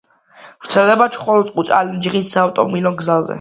ვრცელდება ჩხოროწყუ–წალენჯიხის საავტომობილო გზაზე.